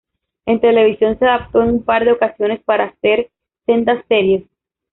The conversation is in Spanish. En televisión se adaptó en un par de ocasiones para hacer sendas series.